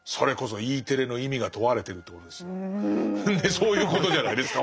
そういうことじゃないですか。